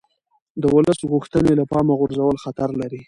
د ولس غوښتنې له پامه غورځول خطر لري